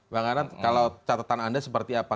bang anand kalau catatan anda seperti apa